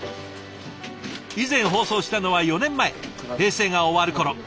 以前放送したのは４年前平成が終わる頃。